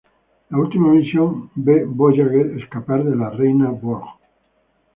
La última misión ve Voyager escapar de la Reina Borg.